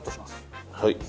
はい。